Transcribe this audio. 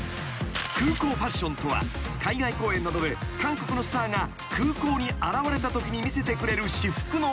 ［空港ファッションとは海外公演などで韓国のスターが空港に現れたときに見せてくれる私服のこと］